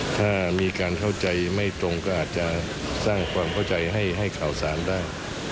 ถ้ามีการเข้าใจไม่ตรงก็อาจจะสร้างความเข้าใจให้ข่าวสารได้